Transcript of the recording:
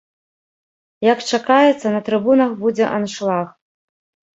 Як чакаецца, на трыбунах будзе аншлаг.